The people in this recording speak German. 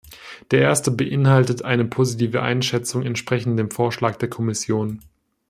Der erste beinhaltet eine positive Einschätzung entsprechend dem Vorschlag der Kommission.